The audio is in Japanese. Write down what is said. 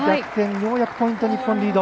ようやくポイント、日本リード。